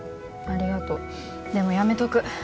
ありがとうでもやめとく